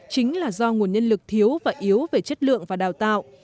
chính là do nguồn nhân lực thiếu và yếu về chất lượng và đào tạo